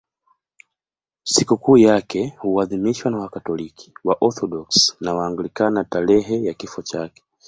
Sikukuu yake huadhimishwa na Wakatoliki, Waorthodoksi na Waanglikana tarehe ya kifo chake.